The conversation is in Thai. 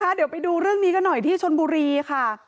เดี๋ยวไปดูเรื่องนี้กันหน่อยที่ชนบุรีค่ะ